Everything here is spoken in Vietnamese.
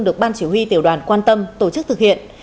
được ban chỉ huy tiểu đoàn quan tâm tổ chức thực hiện